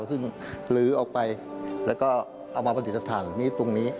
ซึ่งลื้อออกไปแล้วก็เอามาปฏิสถานตรงนี้